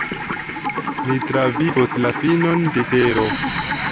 "Ni travivos la finon de tero."